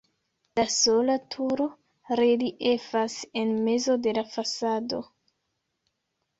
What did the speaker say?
La sola turo reliefas en mezo de la fasado.